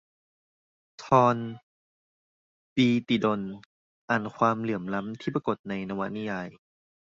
ธร ปีติดล อ่านความเหลื่อมล้ำที่ปรากฏในนวนิยาย